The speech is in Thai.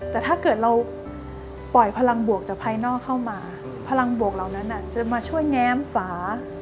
แต่ถ้าเกิดเราปล่อยพลังบวกจากภายนอกเข้ามาพลังบวกเหล่านั้นจะมาช่วยแง้มฝา